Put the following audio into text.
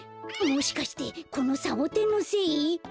もしかしてこのサボテンのせい？